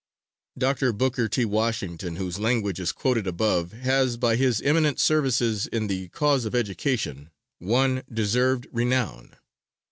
Dr. Booker T. Washington, whose language is quoted above, has, by his eminent services in the cause of education, won deserved renown.